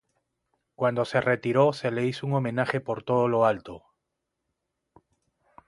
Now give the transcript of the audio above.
Cuando se retiró se le hizo un homenaje por todo lo alto.